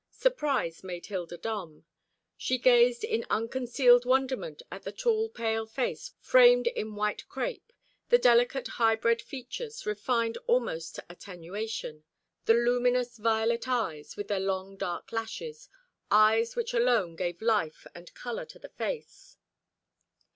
Surprise made Hilda dumb. She gazed in unconcealed wonderment at the small pale face framed in white crape, the delicate high bred features, refined almost to attenuation, the luminous violet eyes with their long dark lashes, eyes which alone gave life and colour to the face.